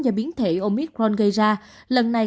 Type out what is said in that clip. do biến thể omicron